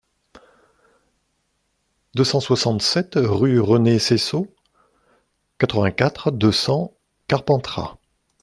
deux cent soixante-sept rue René Seyssaud, quatre-vingt-quatre, deux cents, Carpentras